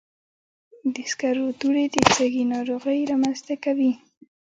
د سکرو دوړې د سږي ناروغۍ رامنځته کوي.